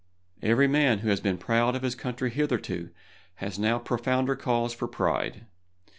Every man who has been proud of his country hitherto has now profounder cause for pride.